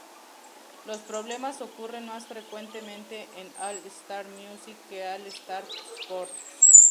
Los problemas ocurren más frecuentemente en All-Star Music que en All-Star Sports.